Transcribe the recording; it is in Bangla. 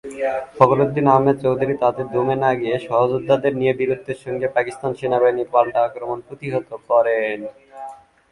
ফখর উদ্দিন আহমেদ চৌধুরী তাতে দমে না গিয়ে সহযোদ্ধাদের নিয়ে বীরত্বের সঙ্গে পাকিস্তান সেনাবাহিনীর পাল্টা আক্রমণ প্রতিহত করেন।